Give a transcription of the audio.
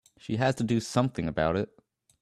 She has to do something about it.